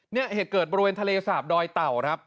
เหตุเกิดบริเวณทะเลสาบดอยเต่าครับ